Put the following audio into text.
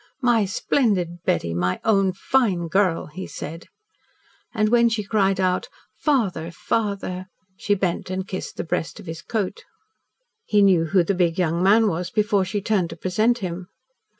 "My splendid Betty! My own fine girl!" he said. And when she cried out "Father! Father!" she bent and kissed the breast of his coat. He knew who the big young man was before she turned to present him.